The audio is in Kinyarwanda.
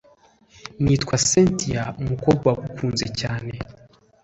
nitwa cyntia umukobwa wagukunze cyane